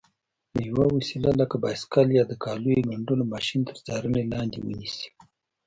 یوه وسیله لکه بایسکل یا د کالیو ګنډلو ماشین تر څارنې لاندې ونیسئ.